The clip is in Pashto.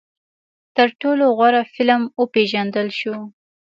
تر ټولو غوره فلم وپېژندل شو